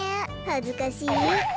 はずかしい。